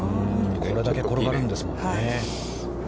これだけ転がるんですもんね。